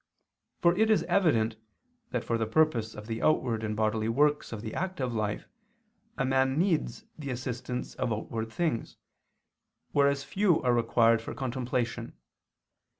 For it is evident that for the purpose of the outward and bodily works of the active life a man needs the assistance of outward things, whereas few are required for contemplation.